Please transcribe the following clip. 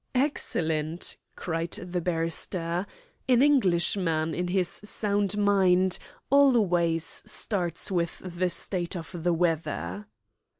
"Excellent!" cried the barrister, "An Englishman, in his sound mind, always starts with the state of the weather."